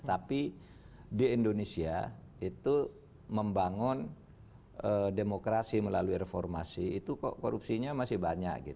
tapi di indonesia itu membangun demokrasi melalui reformasi itu kok korupsinya masih banyak